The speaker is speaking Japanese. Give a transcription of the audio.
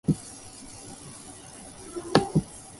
木々が色づく。果物が熟す。